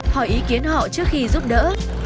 hỏi ý kiến họ trước khi giúp đỡ